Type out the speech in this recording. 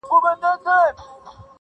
وخته راسه مرور ستوري پخلا کړو,